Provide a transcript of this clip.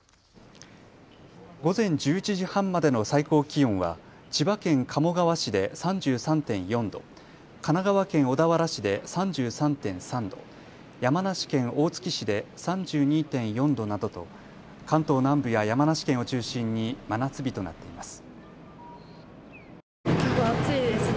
午前１１時半までの最高気温は千葉県鴨川市で３３．４度、神奈川県小田原市で３３．３度、山梨県大月市で３２．４度などと関東南部や山梨県を中心に真夏日となっています。